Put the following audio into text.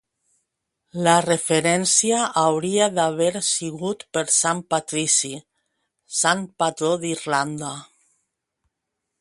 La referència hauria d'haver sigut per Sant Patrici, sant patró d'Irlanda.